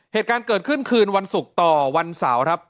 เหตุการณ์เกิดขึ้นคืนวันศุกร์ต่อวันเสาร์ครับ